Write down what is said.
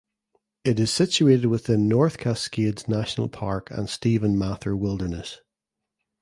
It is situated within North Cascades National Park and Stephen Mather Wilderness.